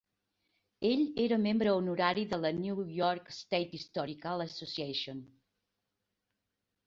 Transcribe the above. Ell era membre honorari de la New York State Historical Association.